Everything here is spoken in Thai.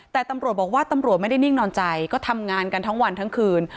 แต่ตำรวจบอกว่าตำรวจไม่ได้นิ่งนอนใจก็ทำงานกันทั้งวันทั้งคืน